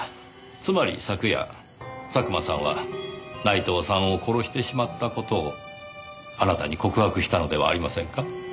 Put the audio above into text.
つまり昨夜佐久間さんは内藤さんを殺してしまった事をあなたに告白したのではありませんか？